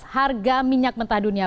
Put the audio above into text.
harga minyak mentah dunia